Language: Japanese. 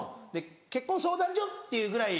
「結婚相談所」っていうぐらい。